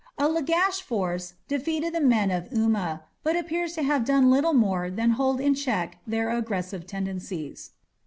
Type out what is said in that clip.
A Lagash force defeated the men of Umma, but appears to have done little more than hold in check their aggressive tendencies.